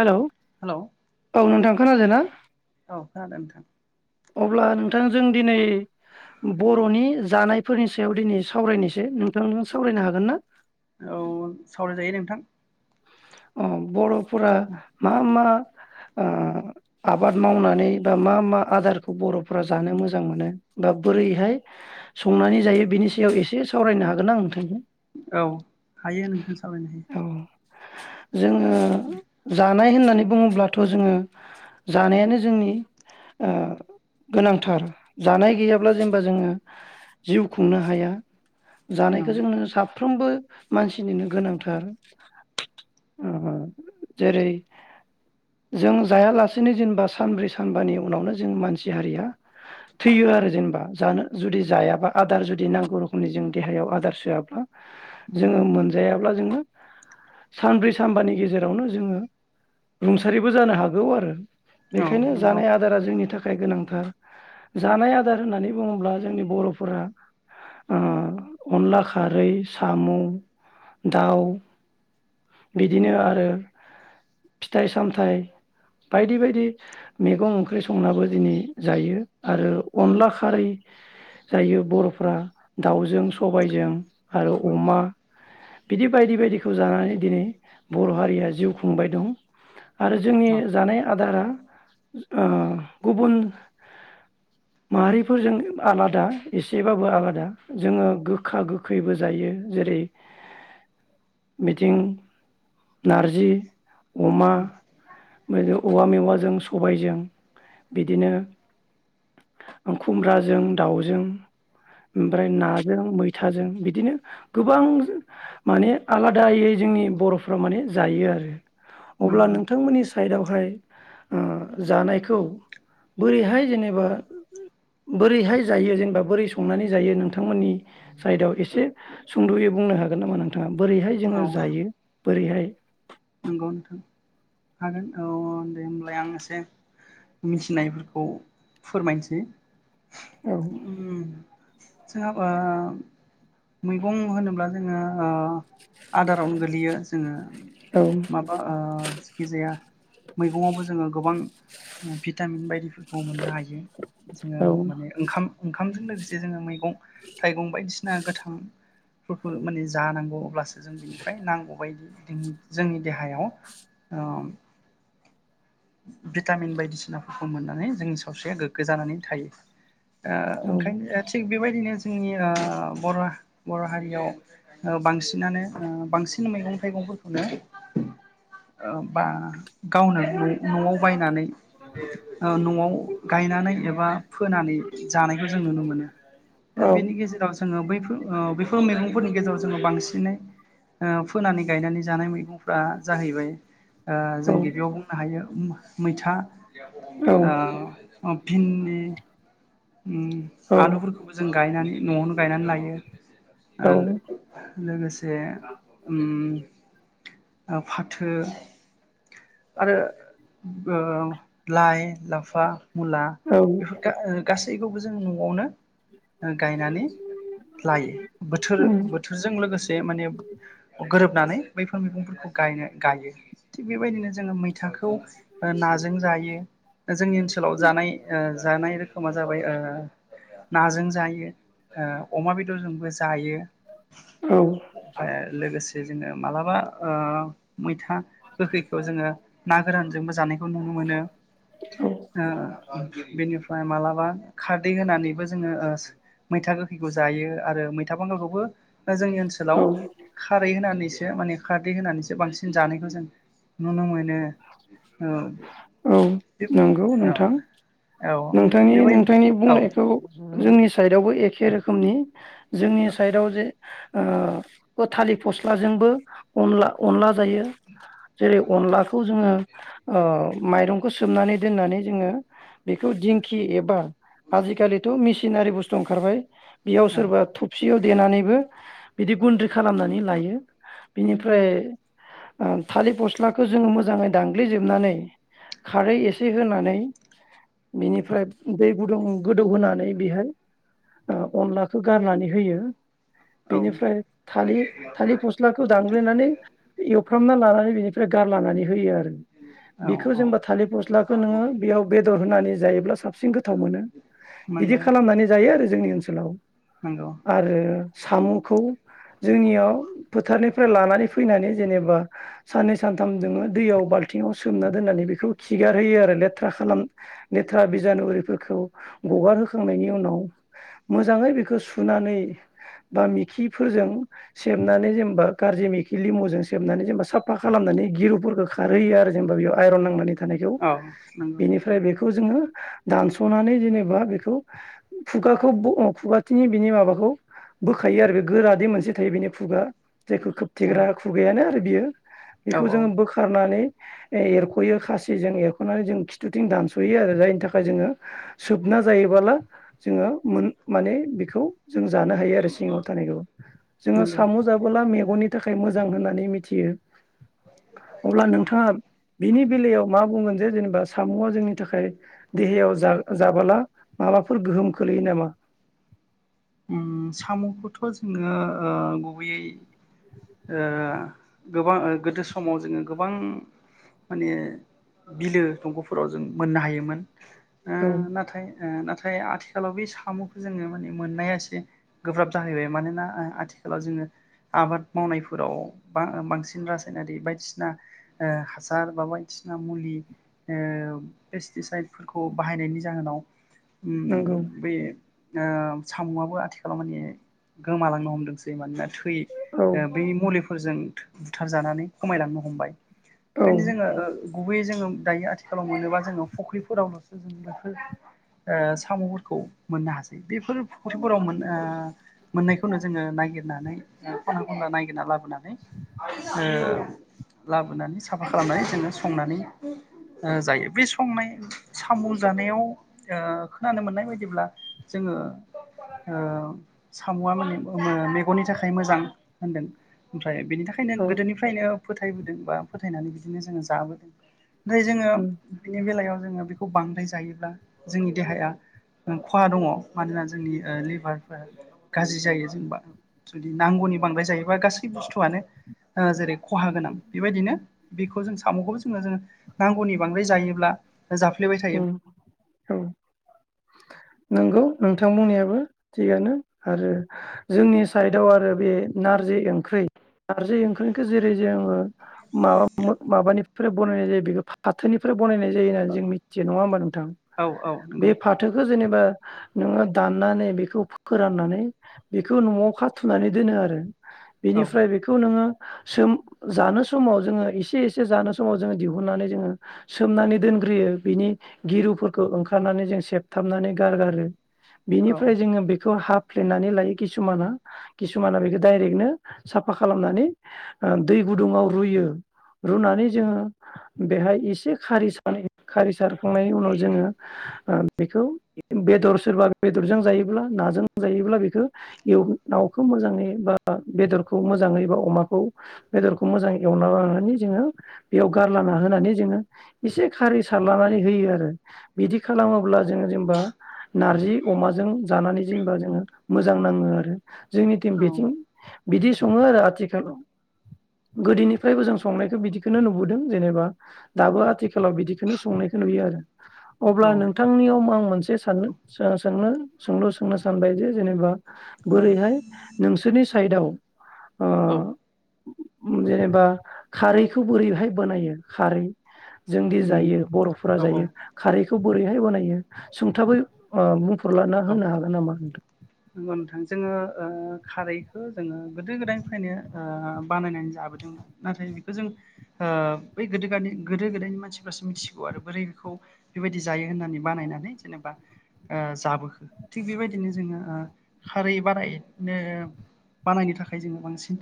Hello hello नोंथां खोनादों ना औ खोनादों नोंथां अब्ला नोंथांजों दिनै बर'नि जानायफोरनि सायाव दिनै सावरायनोसै नोंथांजों सावरायनो हागोन ना औ सावराय जायो नोंथां अ बर' फोरा मा मा ओ आबाद मावनानै बा मा मा आदारखौ बर'फोरा जानो मोजां मोनो बा बोरैहाय संनानै जायो बिनि सायाव एसे सावरायनो हागोन ना नोंथांजों औ हायो नोंथां सावरायनो हायो औ [inaudible] जोङो जा जानाय होननानै बुङोब्लाथ' जोङो जानायानो जोंनि ओ गोनांथार जानाय गैयाब्ला जेनेबा जोङो जिउ खुंनो हाया हायो औ जानायखौ जोंनो सा फ्रोमबो मानसिनिनो गोनांथार ओ जेरै जों जायालासेनो जेनेबा सानब्रै सानबानि उनावनो जों मानसि हारिया थैयो आरो जेनेबा जानो जुदि जायाबा आदार जुदि नांगौ रोखोमनि जों देहायाव आदार सोआब्ला जोङो मोनजाया अब्ला जोङो सानब्रै सानबानि गेजेरावनो जोङो रुंसारिबो जानो हागौ आरो औ बेखायनो नंगौ जानाय आदारा जोंनि था खाय गोनांथार जानाय आदार होननानै बुङोब्ला जोंनि बर'फोरा ओ अनला खारै साम' दाउ बिदिनो आरो फिथाइ सामथाइ बायदि बायदि मैगं ओंख्रि संनाबो दिनै जायो आरो अनला खारै जायो बर'फ्रा दाउजों सबायजों आरो औ अमा बिदि बायदि बायदि खौ जानानै दिनै बर' हारिया जिउ खुंबाय दं आरो जोंनि जानाय आदारा ओ गुबुन माहारिफोरजों आलादा एसेबाबो आलादा जोङो गोखा गोखैबो जायो जेरै बिथिं नारजि अमा औवा मेवाजों सबायजों बिदिनो खुमब्राजों दाउजों ओमफ्राय नाजों मैथाजों बिदिनो गोबां माने आलादायै जोंनि बर'फ्रा माने जायो आरो अब्ला नंगौ नोंथांमोननि साइदआव हाय ओ जानायखौ बोरैहाय जेनेबा बोरैहाय जायो जेनेबा बोरै संनानै जायो नोंथांमोननि साइदआव एसे सुंद'यै बुंनो हागोन नामा नोंथाङा बोरैहाय जोङो औ जायो बोरैहाय नंगौ नोंथां हागोन औ दे होनोमलाय आं एसे मिथिनायफोरखौ फोरमायनोसै। औ उम जोंहा मैगं होनोब्ला जोङो ओ आदारावनो गोलैयो जोङो औ माबा ओ जखिजाया मैगंआवबो जोङो गोबां ओ भिटामिन बायदि मोननो हायो जोङो औ माने ओंखाम ओंखाम लोगोसे जोङो मैगं- थाइगं बायदिसिना गोथांफोरखौ माने जानांगौ अब्लासो जों बिनिफ्राय नांगौबायदि द [unintelligible] जोंनि देहायाव अ भिटामिन बायदिसिनाफोरखौ मोननानै जोंनि सावस्रिया गोग्गो जानानै थायो। ओ दा औ ओंखायनो थिग बेबायदिनो जोंनि आ बर' बर' हारियाव बांसिनानो ओ बांसिन मैगं-थाइगंफोरखौनो ओ बा गावनो न'आव बायनानै ओ न'आव गायनानै एबा बा फोनानै जानायखौ जों नुनो मोनो औ बेनि गेजेराव जोङो बैफोर ओ बेफोर मैगंफोरनि गेजेराव जोङो बांसिनै ओ फोनानै गायनानै जानाय बा जाहैबाय ओ जों औ गिबियाव बुंनो हायो उम मैथा औ ओ भिनदि उम ओ औ आलुफोरखौबो जों गायनानै न'आवनो गायनानै लायो औ ओ लोगोसे उम ओ फाथो आरो ओ लाइ लाफा मुला औ बेफोर गा- गासैबो गासैखौबो जोङो न'आवनो गायनानै लायो बोथोर उम बोथोरजों लोगोसे माने गोरोबनानै बैफोर मैगंफोरखौ गायनो गायो थिग बेबायदिनो जोङो मैथा खौ ओ नाजों जायो जोंनि ओनसोलाव जानाय ओ जानाय रोखोमा जाबाय ओ नाजों जायो ओ अमा बेदरजोंबो जायो जायो औ ओमफ्राय लोगोसे जोङो मालाबा ओ मैथा गोखै जोङो ना गोरानजोंबो जानाय नुनो मोनो औ बेनिफ्राय मालाबा खारदै होनानैबो जोङो ओ मैथा गोखैखौ जायो आरो मैथा बांगालखौबो जोंनि ओनसोलाव औ खारै होननानैसो सो माने खारदै होनानैसो बांसिन जानायखौ जों नुनो मोनो। औ बे नंगौ औ नोंथां औ नोंथांनि बेबायदि नोंथांनि औ बुंनायखौ जोंनि साइडआवबो एखे रोखोमनि जोंनि साइडआव जे ओ थलिर फस्लाजोंबो अनला अनला जायो। जेरै अनलाखौ जोङो अ माइरंखौ सोमनानै दोननानै जोङो बेखौ दिंखि एबा आजिखालिथ' मिसिन सिनारि बुस्थु ओंखारबाय बेयाव औ सोरबा थबसि सियाव देनानैबो बिदि गुन्द्रि खालामनानै लायो बिनिफ्राय थालिर फस्लाखौ जोङो मोजाङै दांनग्लिजोबनानै खारै एसे होनानै बिनिफ्राय दै गुदुं गोदौ होनानै बेहाय अ अनला खौ गारनानै होयो औ बेनिफ्राय थालि थालिर फस्लाखौ दानग्लिनानै एवफ्रामना लानानै बेनिफ्राय गारलानानै होयो आरो। [inaudible] बिखौ जेनबा थालिर फस्लाखौ नोङो बेयाव बेदर होनानै जायोब्ला सा बांसिन गोथाव मोनो बिदि नंगौ खालामनानै जायो आरो। जोंनि ओनसोलाव नंगौ आरो साम'खौ जोंनियाव फोथारनिफ्राय लानानै फैनानै जेनेबा साननै सानथाम दोङो दैयाव बालथिंङाव सोमना दोननानै बेखौ खिगारहोयो आरो लेथ्रा खालाम लेथ्रा बिजानुरिफोरखौ गगारहोखांनायनि उनाव मोजाङै बेखौ सुनानै बा मिखिफोरजों सेबनानै जेनेबा गारजि मेखि लिबुजों सेबनानै जेनेबा साफा खालामनानै गिरुफोरखौ खारहैयो आरो जेनबा बेयाव आइरन नांनानै थानायखौ औ नंगौ औ बेनिफ्राय बेखौ बेखौ जोङो दानस'नानै जेनेबा बेखौ खुगाखौ ब खुगाथिनि बिनि माबाखौ बोखायो आरो बे गोरादि मोनसे थायो बेनि खुगा जायखौ खोबथेग्रा खुगायानो आरो बियो औ बेखौ जोङो बोखारनानै एरख'यो खासिजों एरख'नानै जों खिथुथिं दानस'यो आरो जायनि थाखाय जोङो सोबना जायोबोला जोङो मोन माने बेखौ जों जानो हायो आरो सिङाव थानायखौबो जोङो नंगौ साम' जाबोला मेगननि थाखाय मोजां मोजां होननानै मिथियो अब्ला नोंथाङा बिनि बेलायाव मा बुंगोन जे जेनेबा सामुआ जोंनि थाखाय देहायाव जा जाबोला माबाफोर गोहोम खोलैयो नामा उम साम'खौथ' नोङो अ गुबैयै अ गोबां गोदो समाव जोङो गोबां माने बिलो दंग'फोराव जों मोननो हायोमोन। ओ औ नाथाय ओ नाथाय आथिखालाव बे साम'खौ जोङो माने। मोननाया एसे गोब्राब जाहैबाय मानोना अ आथिखालाव जोङो आबाद मावनायफोराव बा बांसिन रासायनारि बायदिसिना आ हासार बा बायदिसिना मुलि अ पेस्टिसाइदफोरखौ बाहायनायनि जाहोनाव। उम नंगौ बेै ओह साम'आबो आथिखालाव माने गोमालांनो हमदोंसै मानोना थै यो औ अ बै मुलिफोरजों बुथारजानानै खमायलांनो हमबाय औ ओंखायनो जोङो ओ गुबैयै जोङो दायो आथिखालाव मोनोबा जोङो फुख्रिफोरावल'सो जों बेफोर साम'फोरखौ मोननो हासै बेफोर फख्रिफोराव मोन मोननायखौनो जोङो नागिरनानै खला खनला नागिरना लाबोनानै लाबोनानै साफा खालामनानै जोङो संनानै जायो बे संनाय साम' जानायाव खोनानो मोननाय बायदिब्ला जोङो ओ साम'आ माने मेगननि थाखाय मोजां होनदों ओमफ्राय बेनि थाखायनो औ गोदोनिफ्रायनो फोथायबोदों बा फोथायनानै बिदिनो जोङो जाबोदों ओमफ्राय जोङो उम बेनि बेलायाव जोङो बेखौ बांद्राय जायोब्ला जोंनि देहाया खहा दङ मानो होनोबा जोंनि ओ लिभारफ्रा गाज्रि जायो जोंबा जुदि नांगौनि बांद्राय जायोबा गासै बुस्थुआनो जेरै खहा गोनां बेबायदिनो बेखौ जों साम'खौबो जोङो जो नांगौनि बांद्राय जायोब्ला जाफ्लेबाय उम थायोमोन औ नंगौ नोंथां बुंनायाबो थिगानो आरो जोंनि साइदआव आरो बे नारजि ओंख्रि नारजि ओंख्रिखौ जेरै जोङो माबा माबानिफ्राय बनायनाय जायो बेखौ फाथोनिफ्राय बानायनाय जायो होननानै जों मिथियो नङा होमबा नों औ औ नंगौ। जेनेबा नोङो दाननानै बेखौ फोराननानै बेखौ न'आव खाथुनानै दोनो आरो औ बिनिफ्राय बेखौ नोङो सोम जानो समाव जोङो एसे एसे जानो समाव जोङो दिहुननानै जोङो सोमनानै दोनग्रोयो बिनि गिरुफोरखौ ओंखारनानै जों थेबथाबनानै गारगारो औ बिनिफ्राय जोङो बेखौ हाफ फ्लेन्नानै लायो किसुमाना किसुमाना बेखौ डाइरेक्टनो साफा खालामनानै ओ दै गुदुङाव रुयो रुनानै जोङो बेहाय एसे खारि स खारि सार थांनायनि उनाव जोङो आ बेखौ बेदर सोरबा बेदरजों जायोब्ला नाजों जायोब्ला बेखौ एव नावखौ मोजाङै बा बेदरखौ मोजाङै बा अमाखौ बेदरखौ मोजाङ एवना लानानै जोङो बेयाव गारलाना होनानै जोङो एसे खारै सारलानानै होयो आरो बिदि खालामोब्ला जों जेनेबा नारजि अमाजों जानानै जेनेबा जोङो मोजां नाङो आरो जोंनि थिं औ बिथिं बिदि सङो आरो आथिखालाव गोदोनिफ्रायबो जों संनायखौ बिदिखौनो नुबोदों जेनेबा दाबो आथिखालाव बिदिखौनो संनायखौ नुयो आरो अब्ला औ नोंथांनियाव आं मोनसे सान सों सोंलु सोंनो सानबाय जे जेनेबा औ बोरैहाय नोंसोरनि साइदाव औ जेनेबा खारैखौ बोरैहाय बानायो खारै जोंदि जायो उम बर'फोरा औ जायो औ खारैखौ बोरै न बलायो [unintelligible] सुंथाबै ओ बुं औ नंगौ नोंथां जोङो ओ खारैखौ जोङो गोदो गोदायनिफ्रायनो ओ बानायनानै जाबोदोंमोन नाथाय बेखौ जों ओ बै गोदो-गानि गोदो गोदायनि मानसिफ्रासो मिथिगौ आरो बोरै बेखौ बेबायदि जायो होननानै बानायनानै जेनेबा ओ जाबो थिग बेबायदिनो जोङो ओ खारै बाराय बानायनो थाखाय जोङो बांसिन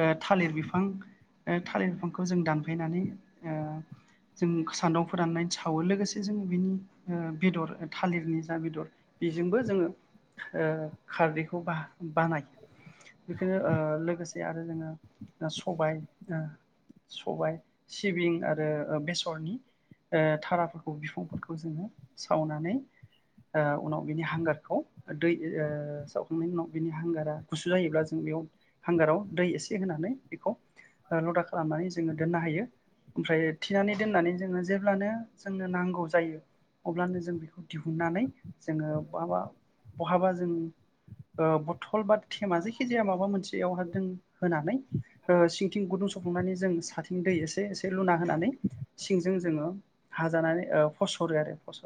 ओ थालिर बिफां ओ थालिर बिफांखौ जों दानफैनानै ओ जों सान्दुं फोराननानै सावो लोगोसे जों बिनि ओ बेदर थालिरनि जा बेदर बेजोंबो जोङो ओ खारदैखौ ब बानाय बेखौनो ओ लोगोसे आरो जोङो सबाय ओ सबाय सिबिं आरो बेसरनि ओ थाराफोरखौ बिफांफोरखौ जोङो सावनानै ओ उनाव बिनि हांगारखौ दै ओ सावखांनायनि उनाव बिनि हांगारा गुसु जायोब्ला जों बेयाव हांगाराव दै एसे होनानै बेखौ लदा खालामनानै जोङो दोननो हायो ओमफ्राय थिनानै दोननानै जोङो जेब्लानो जोंनो नांगौ जायो अब्लानो जों बेखौ दिहुननानै जोङो माबा बहाबा-बहाबा जों बथल बा, जेखि जाया माबा मोनसेयावहा जों होनानै सिंथिं गुदुं सफुंनानै जों साथिं दै एसे एसे लुना होनानै सिंजों जोङो हाजानानै फसरो आरो फस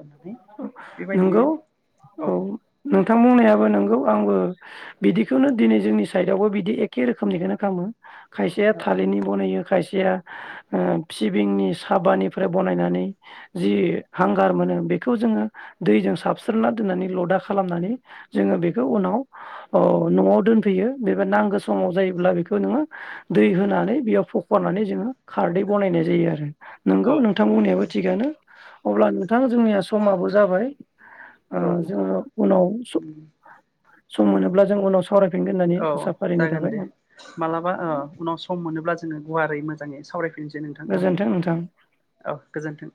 नंगौ औ नोंथां बुंनायाबो नोंगौ आंबो बिदिखौनो दिनै जोंनि साइडआवबो बिदि एखे रोखोमनिखौनो खामो खायसेया थालिरनि बनायो खायसेया ओ सिबिंनि साबानिफ्राय बनायनानै जि हांगार मोनो बे बेखौ जोङो दैजों साबस्रना दोननानै लदा खालामनानै जोङो बेखौ उनाव ओ न'आव दोनफैयो बेबा नांगौ समाव जायोब्ला बेखौ नोङो दै होनानै बेयाव फखरनानै जोङो खारदै बनायनाय जायो आरो नोंगौ औ नंगौ नोंथांमोननियाबो थिगानो अब्ला नोंथां जोंनि समाबो जाबाय ओ औ नोंथां जोङो उनाव सम मोनोब्ला जों उनाव साव औ जागोन दे मालाबा अ उनाव सम मोनोब्ला जोङो गुवारै मोजां [unintelligible] सावराय फिन फिननोसै नोंथां ना गोजोन्थों नोंथां। औ गोजोन्थों